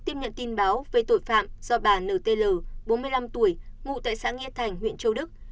tiếp nhận tin báo về tội phạm do bà nt bốn mươi năm tuổi ngụ tại xã nghĩa thành huyện châu đức